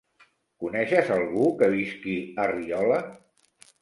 Coneixes algú que visqui a Riola?